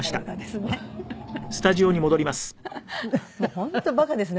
本当馬鹿ですね